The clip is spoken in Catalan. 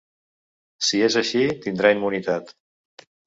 Si és així tindrà immunitat.